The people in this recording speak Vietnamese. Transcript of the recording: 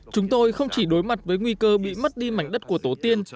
chúng tôi không chỉ đối mặt với nguy cơ bị mất đi mảnh đất của tổ tiên